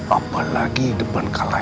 apalagi depan kalah